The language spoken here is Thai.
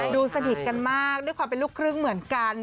ดูสนิทกันมากด้วยความเป็นลูกครึ่งเหมือนกัน